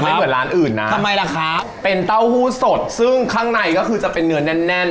เหมือนร้านอื่นนะทำไมล่ะคะเป็นเต้าหู้สดซึ่งข้างในก็คือจะเป็นเนื้อแน่นแน่น